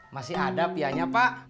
masih ada pianya pak